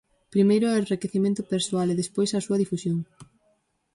Primeiro é o enriquecemento persoal e despois a súa difusión.